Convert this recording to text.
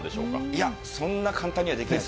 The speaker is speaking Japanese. いや、そんな簡単にはできない。